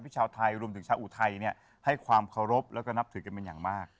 ชาวไทยรวมถึงชาวอุทัยให้ความเคารพแล้วก็นับถือกันเป็นอย่างมาก